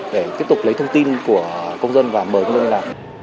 để tiếp tục lấy thông tin của công dân và mời công dân liên lạc